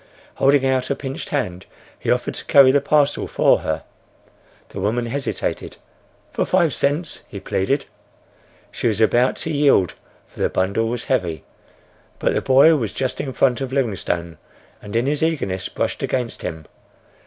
Holding out a pinched hand, he offered to carry the parcel for her. The woman hesitated. —"For five cents," he pleaded. She was about to yield, for the bundle was heavy. But the boy was just in front of Livingstone and in his eagerness brushed against him.